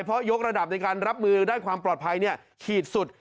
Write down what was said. เพราะยกระดับในการรับมือด้านความปลอดภัยขีดสุด